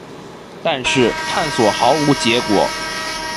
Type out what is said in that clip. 但是，探索毫无结果。